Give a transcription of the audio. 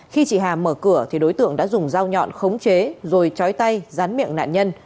khi chị hà mở cửa thì đối tượng đã dùng dao nhọn khống chế rồi trói tay rán miệng nạn nhân